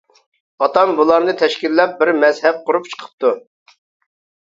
ئاتام بۇلارنى تەشكىللەپ بىر مەزھەپ قۇرۇپ چىقىپتۇ.